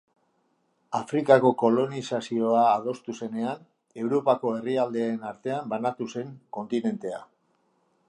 Afrikako kolonizazioa adostu zenean, Europako herrialdeen artean banatu zen kontinentea.